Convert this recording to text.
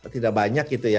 tidak banyak gitu ya